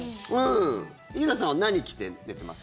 井桁さんは何着て寝てます？